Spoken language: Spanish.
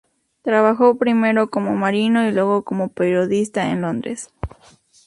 Trabajó primero como marino y luego como periodista en Londres.